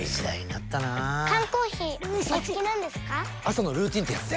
朝のルーティンってやつで。